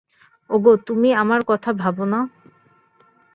ওগো, তুমি আমার কথা ভাব না?